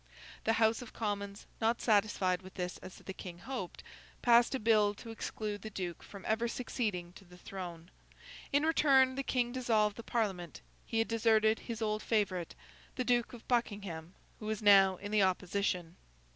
The House of Commons, not satisfied with this as the King hoped, passed a bill to exclude the Duke from ever succeeding to the throne. In return, the King dissolved the Parliament. He had deserted his old favourite, the Duke of Buckingham, who was now in the opposition.